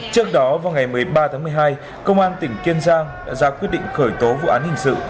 trước đó vào ngày một mươi ba tháng một mươi hai công an tỉnh kiên giang đã ra quyết định khởi tố vụ án hình sự